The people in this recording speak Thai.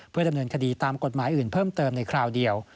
เพื่อดำเนินคดีตามกฎหมายอื่นเพิ่มเติมในคราวเดียว